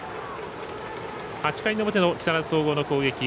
８回の表の木更津総合の攻撃。